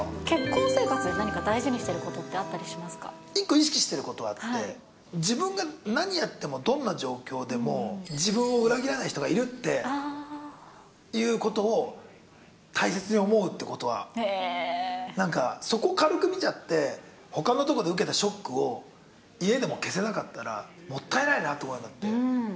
結婚生活で何か大事にしてる一個意識していることはあって、自分が何やっても、どんな状況でも、自分を裏切らない人がいるっていうことを大切に思うっていうことは、なんかそこを軽く見ちゃって、ほかのとこで受けたショックを家でも消せなかったら、もったいないなと思って。